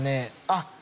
あっ！